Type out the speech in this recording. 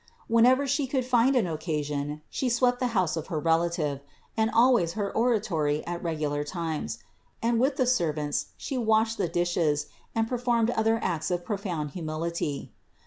Whenever She could find an occasion, She swept the house of her relative, and always her oratory at regular times; and with the servants She washed the dishes, and performed other acts of profound humility.